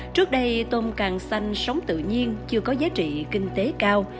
trước đây tôm càng xanh sống tự nhiên chưa có giá trị kinh tế cao